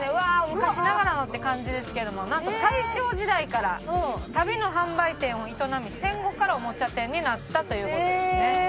昔ながらのって感じですけどもなんと大正時代から足袋の販売店を営み戦後からおもちゃ店になったという事ですね。